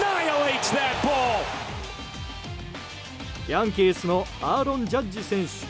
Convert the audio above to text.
ヤンキースのアーロン・ジャッジ選手。